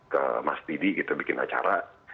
ke mas didi gitu bikin acara